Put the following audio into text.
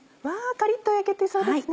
カリっと焼けていそうですね。